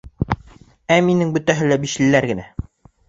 — Ә минең бөтәһе лә «бишле»ләр генә!..